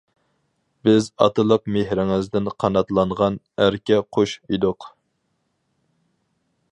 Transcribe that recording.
بىز ئاتىلىق مېھرىڭىزدىن قاناتلانغان« ئەركە قۇش» ئىدۇق.